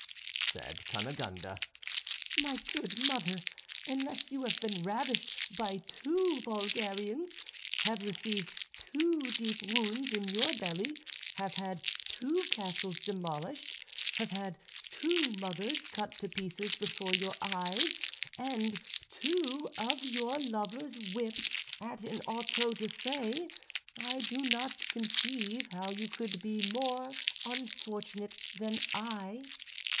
said Cunegonde, "my good mother, unless you have been ravished by two Bulgarians, have received two deep wounds in your belly, have had two castles demolished, have had two mothers cut to pieces before your eyes, and two of your lovers whipped at an auto da fé, I do not conceive how you could be more unfortunate than I.